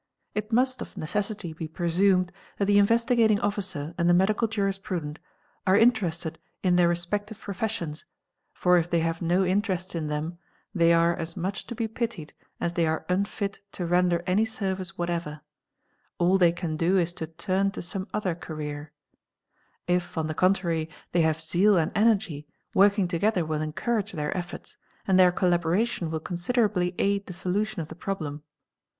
It must of cessity be presumed that the Investigating Officer and the medical isprudent are interested in their respective professions, for if they have interest in them, they are as much to be pitied as they are unfit to der any service whatever: all they can do is to turn to some other If on the contrary they have zeal and energy, working together encourage their efforts, and their collaboration will considerably aid ee solution of the problem.